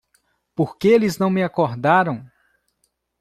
Por que eles não me acordaram?